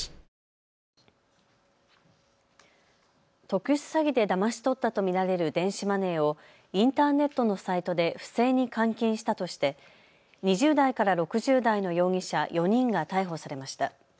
特殊詐欺でだまし取ったと見られる電子マネーをインターネットサイトで不正に換金したとして２０代から６０代の容疑者４人が逮捕されました。